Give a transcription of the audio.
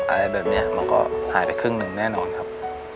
อะไรแบบนี้มันก็หายไปครึ่งหนึ่งแน่นอนครับ